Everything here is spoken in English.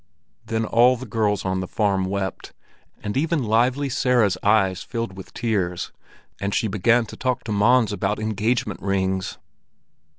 Then all the girls on the farm wept, and even Lively Sara's eyes filled with tears, and she began to talk to Mons about engagement rings.